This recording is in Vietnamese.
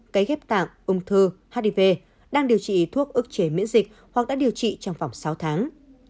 cấy ghép tạng ung thư hiv đang điều trị thuốc ức chế miễn dịch hoặc đã điều trị trong vòng sáu tháng